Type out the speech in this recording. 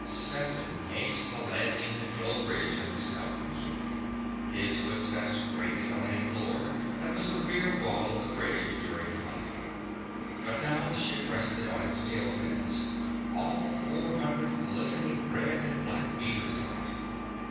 Stetson paced the landing control bridge of his scout cruiser. His footsteps grated on a floor that was the rear wall of the bridge during flight. But now the ship rested on its tail fins—all four hundred glistening red and black meters of it.